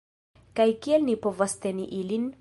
Kaj kiel ni povas teni ilin?